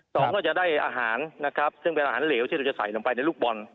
สองก็จะได้อาหารนะครับซึ่งเป็นอาหารเหลวที่เราจะใส่ลงไปในลูกบอล